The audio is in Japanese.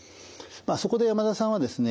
そこで山田さんはですね